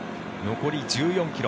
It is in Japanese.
残り１４ｋｍ。